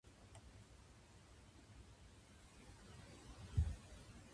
駅前の新しいカフェは、コーヒー豆の種類が豊富で、いつも賑わっています。